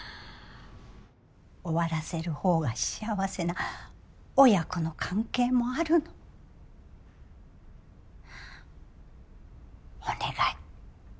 終わらせるほうが幸せな親子の関係もあるお願い